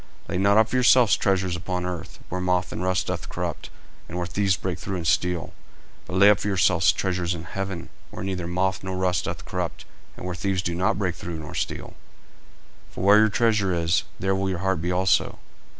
40:006:019 Lay not up for yourselves treasures upon earth, where moth and rust doth corrupt, and where thieves break through and steal: 40:006:020 But lay up for yourselves treasures in heaven, where neither moth nor rust doth corrupt, and where thieves do not break through nor steal: 40:006:021 For where your treasure is, there will your heart be also.